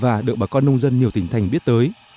và được bà con nông dân nhiều tỉnh thành biết tới